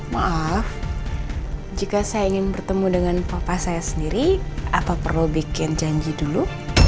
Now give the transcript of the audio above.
maaf jika saya ingin bertemu dengan papa saya sendiri apa perlu bikin janji dulu